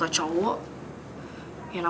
kamu bisa muntah